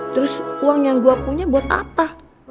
terus uang yang gue punya buat apa